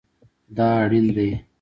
دا اړین دی